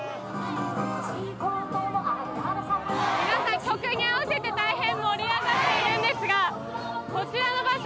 皆さん、曲に合わせて大変盛り上がっているんですがこちらの場所